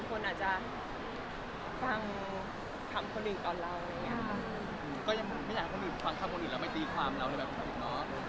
คนอาจจะฟังคำคนอื่นตกเรา